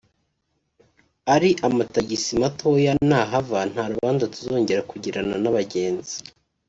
Ari amatagisi matoya nahava nta rubanza tuzongera kugirana n’abagenzi